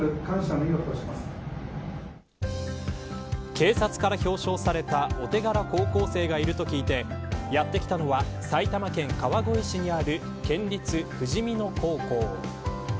警察から表彰されたお手柄高校生がいると聞いてやって来たのは埼玉県川越市にある県立ふじみ野高校。